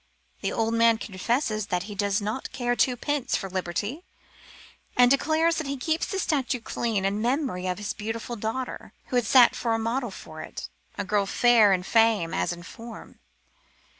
The old man confesses that he does not care twopence for Liberty, and declares that he keeps the statue clean in memory of his beautiful daughter, who had sat as a model for it a girl fair in fame as in form.